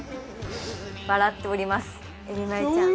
笑っておりますえびまよちゃん。